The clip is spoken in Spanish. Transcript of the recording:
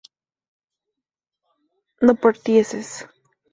no partieses